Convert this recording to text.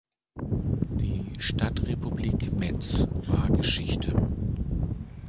Die Stadtrepublik Metz war Geschichte.